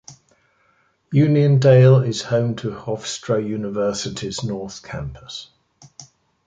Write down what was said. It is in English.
Uniondale is home to Hofstra University's north campus.